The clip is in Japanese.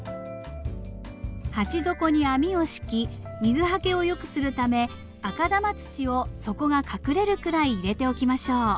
鉢底に網を敷き水はけを良くするため赤玉土を底が隠れるくらい入れておきましょう。